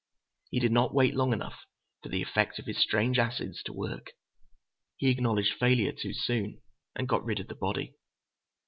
He did not wait long enough for the effect of his strange acids to work. He acknowledged failure too soon, and got rid of the body."